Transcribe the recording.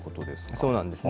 そうなんですね。